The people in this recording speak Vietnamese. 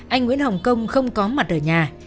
anh nguyễn hồng công không có mặt ở nhà